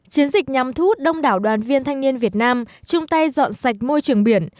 chiến dịch nhằm thú đông đảo đoàn viên thanh niên việt nam chung tay dọn sạch môi trường biển